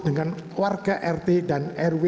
dengan warga rt dan rw